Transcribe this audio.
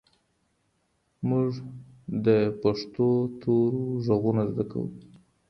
موږ د پښتو تورو ږغونه زده کوو.